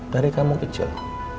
dari kamu kecil